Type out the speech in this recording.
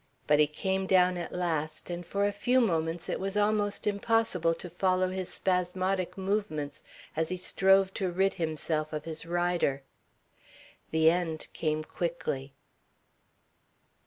But he came down at last, and for a few moments it was almost impossible to follow his spasmodic movements as he strove to rid himself of his rider. The end came quickly.